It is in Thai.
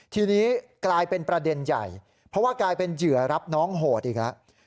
ทีนี้กลายเป็นประเด็นใหญ่เพราะว่ากลายเป็นเหยื่อรับน้องโหดอีกแล้ว